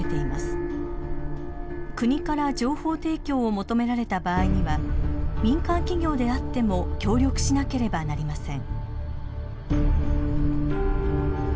国から情報提供を求められた場合には民間企業であっても協力しなければなりません。